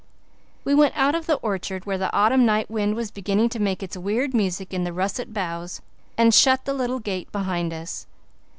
We went out of the old orchard where the autumn night wind was beginning to make its weird music in the russet boughs, and shut the little gate behind us.